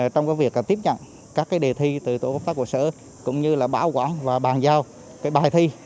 trong việc tiếp nhận các đề thi từ tổ công tác của sở cũng như bảo quản và bàn giao bài thi